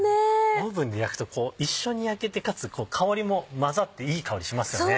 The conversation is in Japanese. オーブンで焼くと一緒に焼けてかつ香りも混ざっていい香りしますよね。